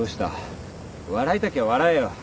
笑いたきゃ笑えよ。